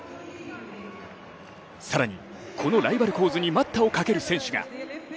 更に、このライバル構図に待ったをかける選手が。